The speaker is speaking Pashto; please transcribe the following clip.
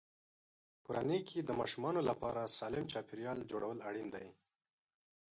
کورنۍ کې د ماشومانو لپاره سالم چاپېریال جوړول اړین دي.